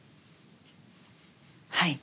はい。